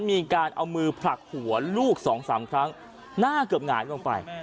มีการเอามือผลักหัวลูกสองสามครั้งหน้าเกือบหงายลงไป